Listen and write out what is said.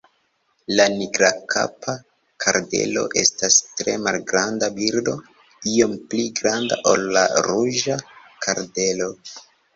La Nigrakapa kardelo estas tre malgranda birdo, iom pli granda ol la Ruĝa kardelo.